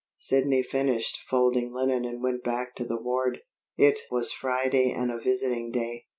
Sidney finished folding linen and went back to the ward. It was Friday and a visiting day.